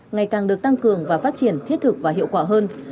ngày càng được tăng cường và phát triển thiết thực và hiệu quả hơn